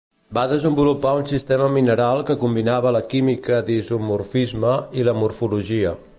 Va desenvolupar un sistema mineral que combinava la química l'isomorfisme i la morfologia.